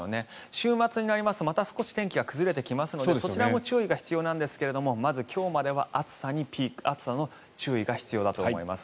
週末になりますとまた少し天気が崩れてきますのでそちらも注意が必要なんですがまず今日までは暑さの注意が必要だと思います。